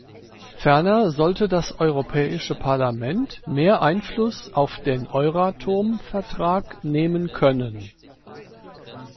Ferner sollte das Europäische Parlament mehr Einfluss auf den Euratom-Vertrag nehmen können.